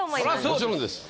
もちろんです。